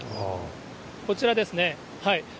こちらですね。